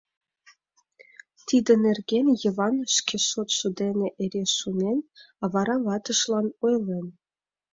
Тидын нерген Йыван шке шотшо дене эре шонен, а вара ватыжлан ойлен.